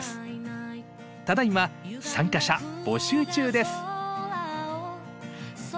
ただいま参加者募集中です。